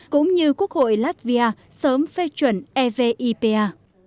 cũng như quốc hội latvia sớm phê chuẩn evipa